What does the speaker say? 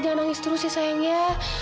jangan nangis terus ya sayang ya